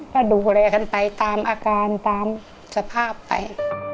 ก็ดูแลกันไปตามอาการตามสภาพไป